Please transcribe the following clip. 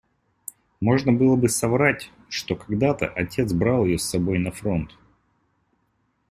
Можно было бы соврать, что когда-то отец брал ее с собой на фронт.